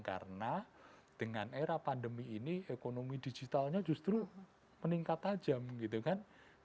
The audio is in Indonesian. karena dengan era pandemi ini ekonomi digitalnya justru meningkat tajam gitu kan